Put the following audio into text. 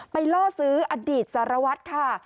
ล่อซื้ออดีตสารวัตรค่ะ